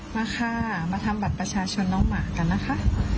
มาค่ะมาทำบัตรประชาชนน้องหมากันนะคะ